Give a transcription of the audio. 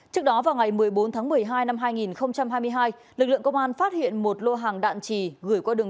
trước đó vào ngày một mươi bốn tháng một mươi hai năm hai nghìn hai mươi hai lực lượng công an phát hiện một lô hàng đạn trì gửi qua đường